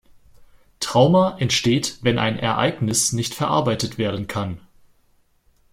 Trauma entsteht, wenn ein Ereignis nicht verarbeitet werden kann.